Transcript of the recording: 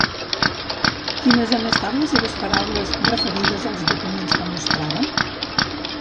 Quines han estat les seves paraules referides als documents que mostrava?